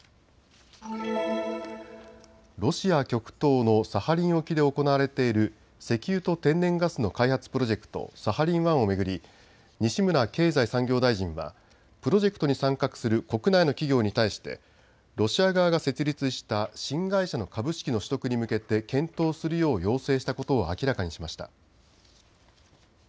ロシア極東のサハリン沖で行われている石油と天然ガスの開発プロジェクト、サハリン１を巡り西村経済産業大臣はプロジェクトに参画する国内の企業に対してロシア側が設立した新会社の株式の取得に向けて検討するよう要請したことを明らかにしました。